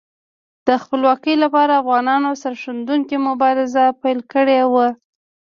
د خپلواکۍ لپاره افغانانو سرښندونکې مبارزه پیل کړې وه.